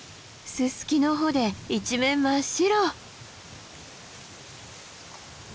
ススキの穂で一面真っ白。